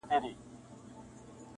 د حج پچه کي هم نوم د خان را ووت ,